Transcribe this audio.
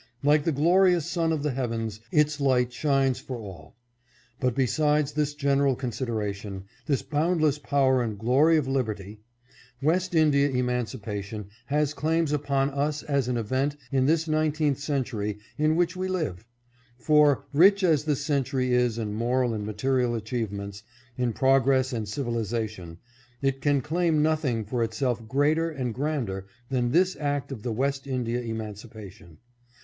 Like the glorious sun of the heav ens, its light shines for all. But besides this general consideration, this boundless power and glory of liberty, West India emancipation has claims upon us as an event in this nineteenth century in which we live ; for, rich as this century is in moral and material achievements, in progress and civilization, it can claim nothing for itself greater and grander than this act of the West India emancipation.